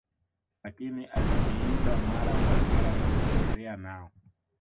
lakini alijiiba mara kwa mara na kuendelea nao